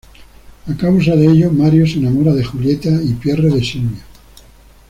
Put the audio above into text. A causa de ello, Mario se enamora de Julieta y Pierre de Silvia.